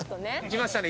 きましたね